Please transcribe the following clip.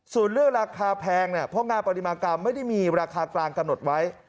ส่วนเรื่องราคาแพงเนี่ยเพราะงานปฏิมากรรมไม่ได้มีราคากลางกำหนดไว้